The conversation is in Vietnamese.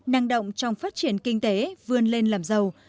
năng động trong phát triển kinh tế vươn lên làm giàu